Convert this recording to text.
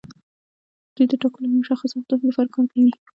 دوی د ټاکلو او مشخصو اهدافو لپاره کار کوي.